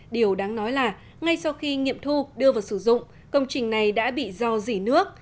điều đáng nói là ngay sau khi nghiệm thu đưa vào sử dụng công trình này đã bị do dỉ nước